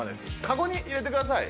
カゴに入れてください。